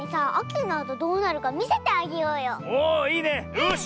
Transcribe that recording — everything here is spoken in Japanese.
よし！